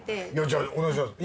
じゃあお願いします。